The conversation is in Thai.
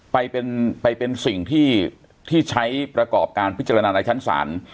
ไปเป็นสิ่งที่ใช้ประกอบการพิจารณาในชั้นศาล